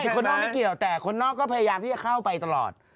คนนอกไม่เกี่ยวแต่คนนอกก็พยายามที่จะเข้าไปตลอด